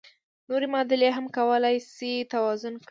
نورې معادلې هم کولای شئ توازن کړئ.